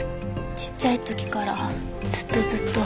ちっちゃい時からずっとずっと。